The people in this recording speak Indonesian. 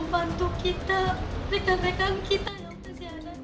bantu kita rekan rekan kita yang terjadi